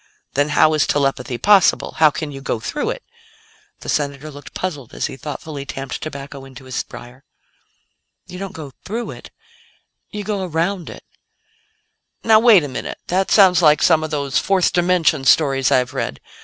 "Then how is telepathy possible? How can you go through it?" The Senator looked puzzled as he thoughtfully tamped tobacco into his briar. "You don't go through it; you go around it." "Now wait a minute; that sounds like some of those fourth dimension stories I've read.